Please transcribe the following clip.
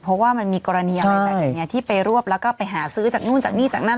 เพราะว่ามันมีกรณีอะไรแบบนี้ที่ไปรวบแล้วก็ไปหาซื้อจากนู่นจากนี่จากนั้น